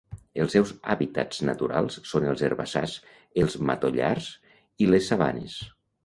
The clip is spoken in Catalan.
Els seus hàbitats naturals són els herbassars, els matollars i les sabanes.